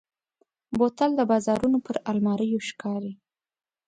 بوتل د بازارونو پر الماریو ښکاري.